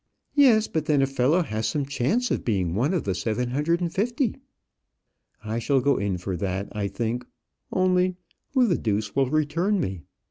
"Yes, but then a fellow has some chance of being one of the seven hundred and fifty." "I shall go in for that, I think; only who the deuce will return me?